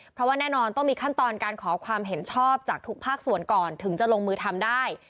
เพราะว่าแน่นอนต้องมีขั้นตอนการขอความเห็นชอบจากทุกภาคส่วนก่อนถึงจะลงมือทำได้